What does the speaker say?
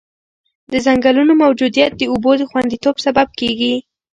د ځنګلونو موجودیت د اوبو د خونديتوب سبب کېږي.